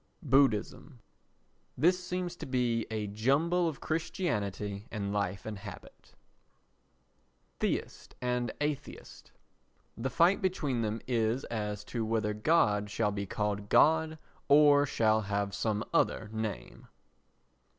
Buddhism This seems to be a jumble of Christianity and Life and Habit. Theist and Atheist The fight between them is as to whether God shall be called God or shall have some other name.